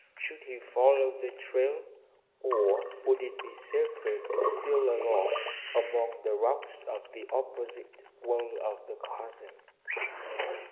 Should he follow the trail, or would it be safer to steal along among the rocks of the opposite wall of the chasm?